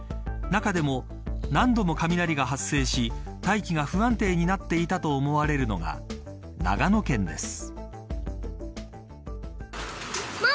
中でも何度も雷が発生し大気が不安定になっていたと思われるのが長野県です。